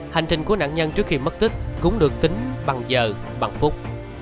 hành trình của nạn nhân trước khi mất tích cũng được tính bằng giờ bằng phút